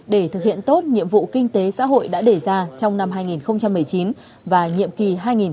để thực hiện tốt nhiệm vụ kinh tế xã hội đã đề ra trong năm hai nghìn một mươi chín và nhiệm kỳ hai nghìn hai mươi hai nghìn hai mươi năm